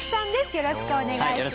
よろしくお願いします。